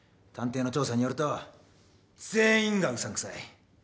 探偵の調査によると全員がうさんくさい。